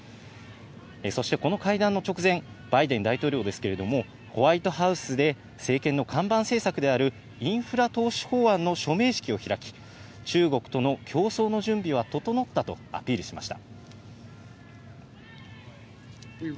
そしてこの会談の直前、バイデン大統領ですけれど、ホワイトハウスで政権の看板政策であるインフラ投資法案の署名式を開き、中国との競争の準備は整ったとアピールしました。